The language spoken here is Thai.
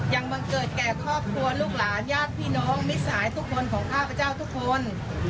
บังเกิดแก่ครอบครัวลูกหลานญาติพี่น้องมิสัยทุกคนของข้าพเจ้าทุกคน